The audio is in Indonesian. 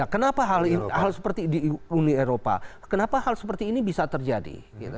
kenapa hal seperti di uni eropa kenapa hal seperti ini bisa terjadi